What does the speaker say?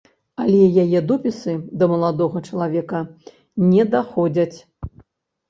Але яе допісы да маладога чалавека не даходзяць.